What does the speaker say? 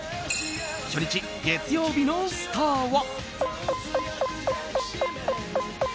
初日、月曜日のスターは。